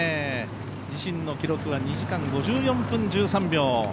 自身の記録は２時間５４分１３秒。